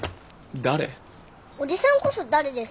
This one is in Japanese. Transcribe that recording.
おじさんこそ誰ですか？